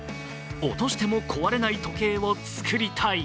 落としても壊れない時計を作りたい。